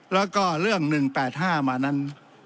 แล้วก็เรื่อง๑๘๕มานั้น